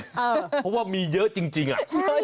เพราะว่ามีเยอะจริง